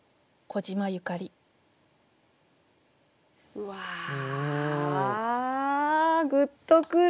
うわグッとくる。